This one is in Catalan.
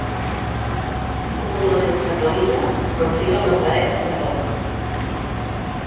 Un home sense camisa s'enfila a una paret de roca